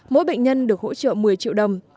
mỗi bệnh nhân được hỗ trợ một mươi triệu đồng